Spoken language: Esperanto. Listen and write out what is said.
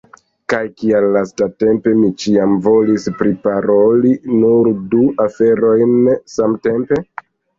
Kaj kial lastatempe, mi ĉiam volis priparoli nur du aferojn samtempe?